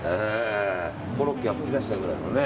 コロッケが吹き出しちゃうくらいのね。